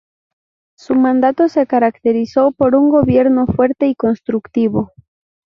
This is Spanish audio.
Su mandato se caracterizó por un gobierno fuerte y constructivo.